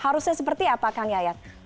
harusnya seperti apa kang yayat